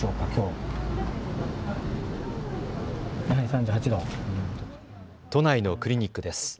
都内のクリニックです。